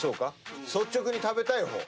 率直に食べたい方。